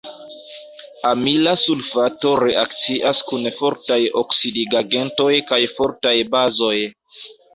Amila sulfato reakcias kun fortaj oksidigagentoj kaj fortaj bazoj.